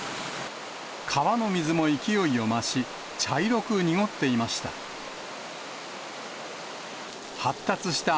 川の水も勢いを増し、茶色く濁っていました。